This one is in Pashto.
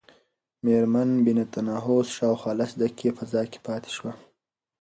مېرمن بینتهاوس شاوخوا لس دقیقې فضا کې پاتې شوه.